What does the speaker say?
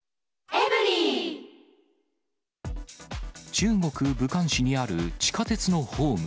中国・武漢市にある地下鉄のホーム。